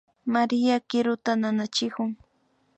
María kiruta nanachikun